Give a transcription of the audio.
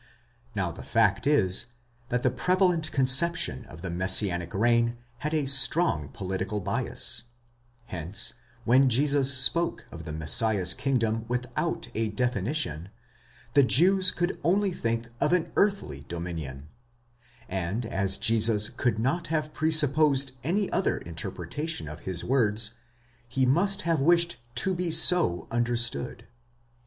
Now the fact is, that the prevalent conception of the messianic reign had a strong political bias; hence, when Jesus spoke of the Messiah's kingdom without a definition, the Jews could only think of an earthly dominion, and as Jesus could not have presupposed any other interpretation of his words, he must have wished to be so understood.